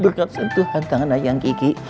berkat sentuhkan tangan ayam kiki